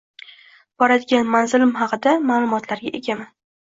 Boradigan manzilim haqida maʼlumotga egaman.